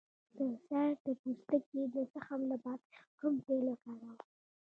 د سر د پوستکي د زخم لپاره کوم تېل وکاروم؟